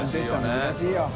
難しいよね